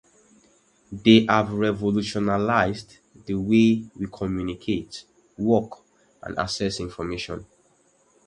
They have revolutionized the way we communicate, work, and access information.